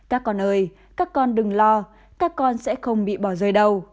các con ơi các con đừng lo các con sẽ không bị bỏ rơi đầu